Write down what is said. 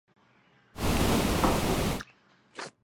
白纹歧脊沫蝉为尖胸沫蝉科歧脊沫蝉属下的一个种。